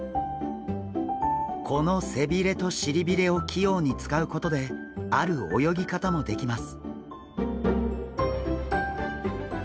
この背びれとしりびれを器用に使うことである泳ぎ方もできます。